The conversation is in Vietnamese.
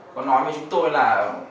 có nói với chúng tôi là